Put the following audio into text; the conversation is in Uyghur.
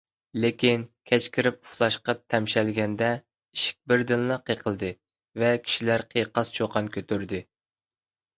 لېكىن، كەچ كىرىپ ئۇخلاشقا تەمشەلگەندە، ئىشىك بىردىنلا قېقىلدى ۋە كىشىلەر قىيقاس - چۇقان كۆتۈردى.